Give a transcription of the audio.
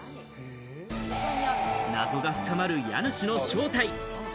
謎が深まる家主の正体。